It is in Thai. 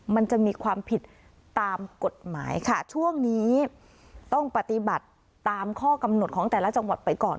มันจะมีความผิดตามกฎหมายค่ะช่วงนี้ต้องปฏิบัติตามข้อกำหนดของแต่ละจังหวัดไปก่อน